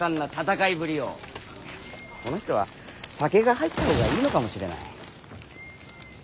この人は酒が入った方がいいのかもしれない。